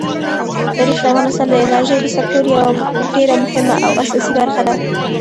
تاریخ د افغانستان د انرژۍ د سکتور یوه ډېره مهمه او اساسي برخه ده.